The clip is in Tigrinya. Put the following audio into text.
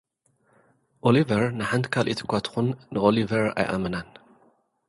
ኦሊቨር፡ ንሓንቲ ካልኢት እኳ ትኹን ንኦሊቨር ኣይኣመናን።